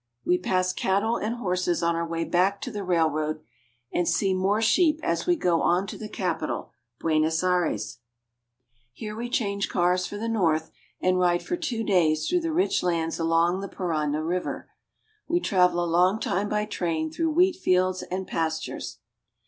We pass cattle and horses on our way back to the railroad, and see more sheep as we go on to the capital, Buenos Aires. Here we change cars for the north, and ride for two days through the rich lands along the Parana river. We travel a long time by train through wheatfields and pas tures.